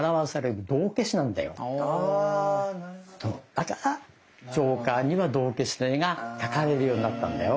だからジョーカーには道化師の絵が描かれるようになったんだよ。